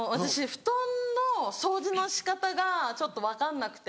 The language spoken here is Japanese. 布団の掃除の仕方がちょっと分かんなくて。